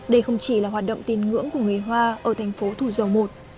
đây không chỉ là hoạt động tin ngưỡng của người hoa ở thành phố thủ dầu một